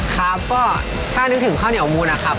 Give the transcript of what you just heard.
ครับก็ถ้านึกถึงข้าวเหนียวมูลนะครับ